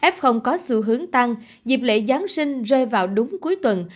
f có xu hướng tăng dịp lễ giáng sinh rơi vào đúng cuối tuần